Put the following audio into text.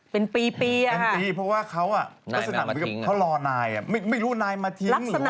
เป็นปีอะฮะเพราะว่าเขาอ่ะลักษณะเหมือนเขารอนายอ่ะไม่รู้นายมาทิ้งหรือว่า